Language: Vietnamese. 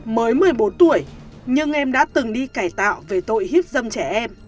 mới một mươi bốn tuổi nhưng em đã từng đi cải tạo về tội hiếp dâm trẻ em